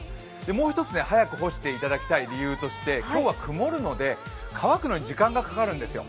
もう一つ、早く干していただきたい理由として、今日は曇るので乾くのに時間がかかるんですよ。